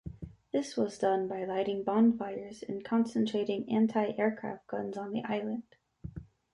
This was done by lighting bonfires and concentrating anti-aircraft guns on the island.